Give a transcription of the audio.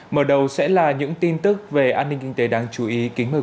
mở đầu sẽ là những tin tức về an ninh kinh tế đáng chú ý